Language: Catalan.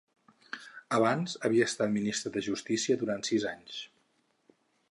Abans havia estat Ministre de Justícia durant sis anys.